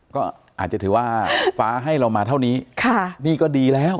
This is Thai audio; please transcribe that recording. ก็อาจจะถือว่าฟ้าให้เรามาเท่านี้ค่ะนี่ก็ดีแล้ว